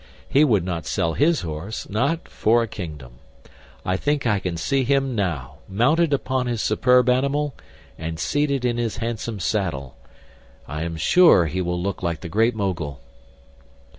He would not sell his horse; not for a kingdom! I think I can see him now, mounted upon his superb animal and seated in his handsome saddle. I am sure he will look like the Great Mogul!"